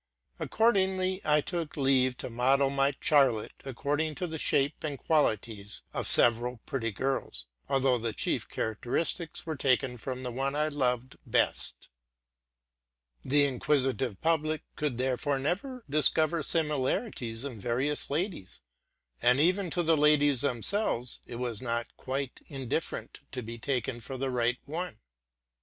Ac cordingly I took leave to model my Charlotte according to the shape and qualities of several pretty girls, although the chief characteristics were taken from the one I loved best 172 'TRUTH AND FICTION The inquisitive public could therefore discover similarities in various women, and even to the ladies themselves it was not quite indifferent to be taken for the right one.